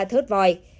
ba thớt vòi